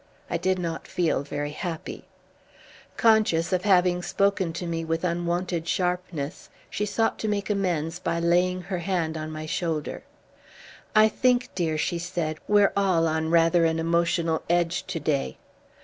I did not feel very happy. Conscious of having spoken to me with unwonted sharpness, she sought to make amends by laying her hand on my shoulder. "I think, dear," she said, "we're all on rather an emotional edge to day."